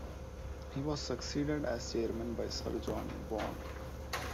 He was succeeded as chairman by Sir John Bond.